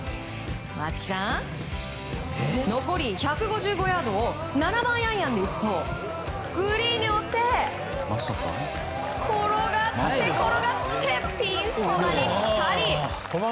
松木さん、残り１５５ヤードを７番アイアンで打つとグリーンに乗って転がって、転がってピンそばにピタリ。